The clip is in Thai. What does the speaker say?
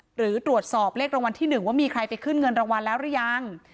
หรือตรวจสอบเลขรางวัลที่๑ว่ามีใครไปขึ้นเงินรางวัลแล้วหรือยัง